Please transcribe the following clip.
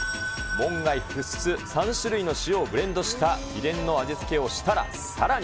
門外不出、３種類の塩をブレンドした秘伝の味付けをしたら、さらに。